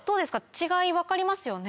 違い分かりますよね？